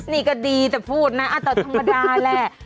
นี่ก็ดีแต่พูดนะแต่ธรรมดาแหละ